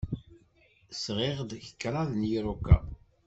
Sɣiɣ-d kraḍ n yiruka.